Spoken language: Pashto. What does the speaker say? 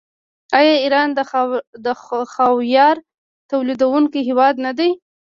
آیا ایران د خاویار تولیدونکی هیواد نه دی؟